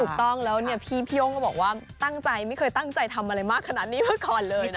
ถูกต้องแล้วเนี่ยพี่โย่งก็บอกว่าตั้งใจไม่เคยตั้งใจทำอะไรมากขนาดนี้มาก่อนเลยนะ